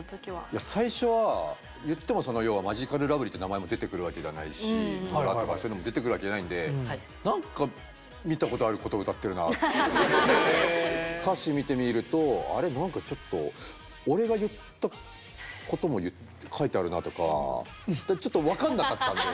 いや最初はいってもその要はマヂカルラブリーって名前も出てくるわけではないし野田とかそういうのも出てくるわけじゃないんで何か歌詞見てみるとあれ何かちょっと俺が言ったことも書いてあるなとかちょっと分かんなかったんだよ